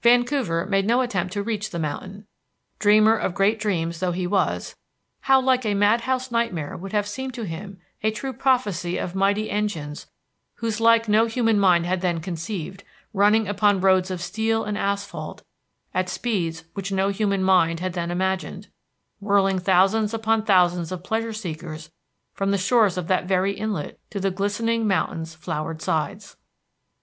Vancouver made no attempt to reach the mountain. Dreamer of great dreams though he was, how like a madhouse nightmare would have seemed to him a true prophecy of mighty engines whose like no human mind had then conceived, running upon roads of steel and asphalt at speeds which no human mind had then imagined, whirling thousands upon thousands of pleasure seekers from the shores of that very inlet to the glistening mountain's flowered sides!